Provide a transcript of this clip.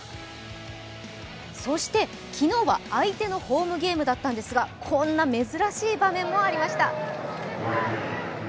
そして昨日は相手のホームゲームだったんですがこんな珍しい場面もありました。